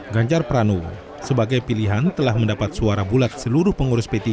ganjar pranowo sebagai pilihan telah mendapat suara bulat seluruh pengurus p tiga